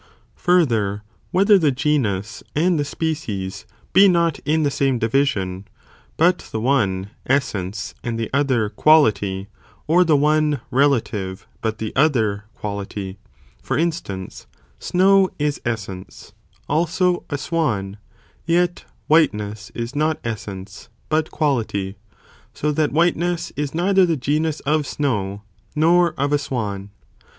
| Further, whether the genus and the species, be therthe genus not in the same division, but the one, essence, and and the species : 5 ᾿ arein the same the other, quality, or the one, relative, but the other, aie quality, for instance, snow is essence, also a swan, yet whiteness is not essence, but quality, so that whiteness is neither the genus of snow, nor of a swan.